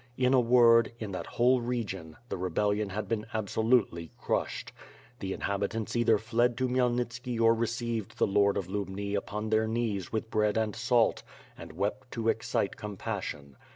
In a word, in that whole region, the rebellion had been absolutely crushed. The in habitants either fled to Khmyelnitski or received the Lord of Lubni upon their knees with bread and salt, and wept to excite compassion.